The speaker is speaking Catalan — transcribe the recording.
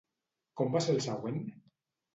Com va ser el següent?